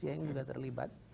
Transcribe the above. yang juga terlibat